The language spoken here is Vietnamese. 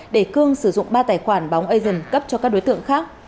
để cương sử dụng ba tài khoản bóng asian cấp cho các đối tượng khác